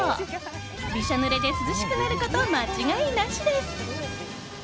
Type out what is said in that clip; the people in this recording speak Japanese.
びしょぬれで涼しくなること間違いなしです。